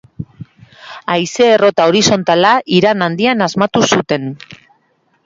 Haize errota horizontala Iran Handian asmatu zuten.